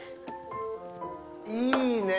いいねぇ！